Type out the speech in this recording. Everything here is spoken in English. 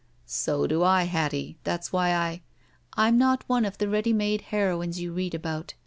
"So do I, Hattie. That's why I—" "I'm not one of the ready made heroines you read about.